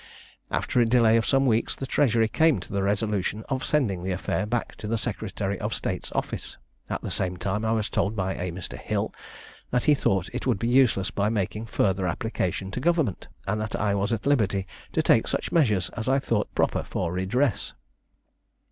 After a delay of some weeks, the Treasury came to the resolution of sending the affair back to the secretary of state's office; at the same time I was told by a Mr. Hill, that he thought it would be useless my making further application to government, and that I was at liberty to take such measures as I thought proper for redress.